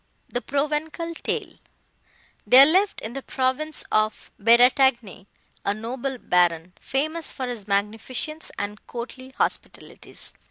THE PROVENÇAL TALE "There lived, in the province of Bretagne, a noble Baron, famous for his magnificence and courtly hospitalities.